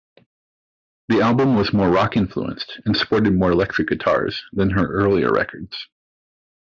The album was more rock-influenced and sported more electric guitars than her earlier records.